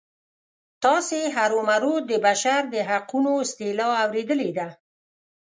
تاسې هرومرو د بشر د حقونو اصطلاح اوریدلې ده.